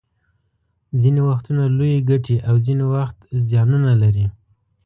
ځینې وختونه لویې ګټې او ځینې وخت زیانونه لري